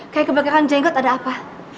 kayak kebakaran jenggot ada apa